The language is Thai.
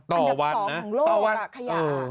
ต่อวันนะต่อวันค่ะขยะอืม